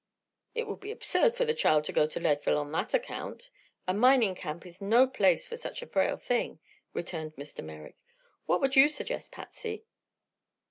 "It would be absurd for the child to go to Leadville on that account. A mining camp is no place for such a frail thing," returned Mr. Merrick. "What would you suggest, Patsy?"